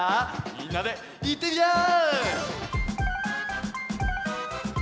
みんなでいってみよう！